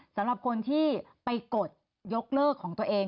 สำหรับคนที่ไปกดยกเลิกของตัวเอง